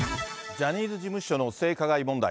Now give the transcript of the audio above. ジャニーズ事務所の性加害問題。